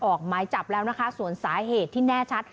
ออกหมายจับแล้วนะคะส่วนสาเหตุที่แน่ชัด